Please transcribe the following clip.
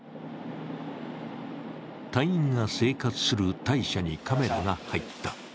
隊員が生活する隊舎にカメラが入った。